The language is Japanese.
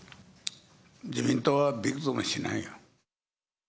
自民党はびくともしないよ。